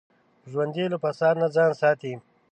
ژوندي له فساد نه ځان ساتي